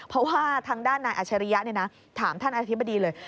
เพราะว่าทางด้านนายอัชริยะถามท่านอธิบดีเลย